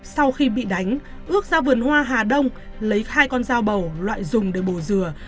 sau khi bị đánh ước ra vườn hoa hà đông lấy hai con dao bầu loại dùng để bồ dừa